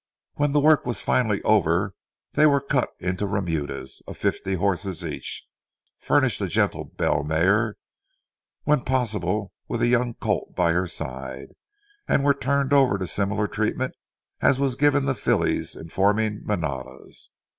When the work was finally over they were cut into remudas of fifty horses each, furnished a gentle bell mare, when possible with a young colt by her side, and were turned over to a similar treatment as was given the fillies in forming manadas.